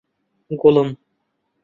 گوڵم!